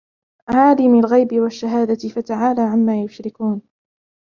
عَالِمِ الْغَيْبِ وَالشَّهَادَةِ فَتَعَالَى عَمَّا يُشْرِكُونَ